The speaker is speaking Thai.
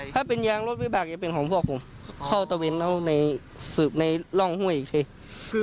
ถ้าเป็นยางรถวิบากเองเองล่วงอยู่ในล่องห้วยอีกที